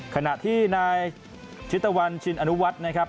ขณะที่นายชิตวรรณชินอนุวัฒน์นะครับ